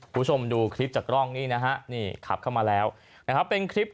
คุณผู้ชมดูคลิปจากกล้องนี้นะฮะนี่ขับเข้ามาแล้วนะครับเป็นคลิป